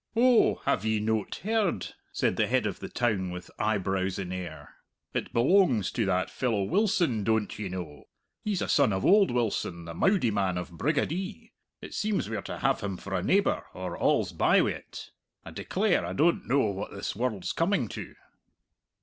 "Oh, have ye noat heard?" said the Head of the Town with eyebrows in air. "It beloangs to that fellow Wilson, doan't ye know? He's a son of oald Wilson, the mowdie man of Brigabee. It seems we're to have him for a neighbour, or all's bye wi't. I declare I doan't know what this world's coming to!"